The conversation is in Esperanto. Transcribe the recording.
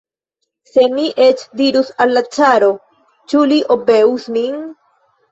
Se mi eĉ dirus al la caro, ĉu li obeus min?